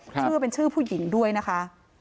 ชื่อเป็นชื่อผู้หญิงด้วยนะคะ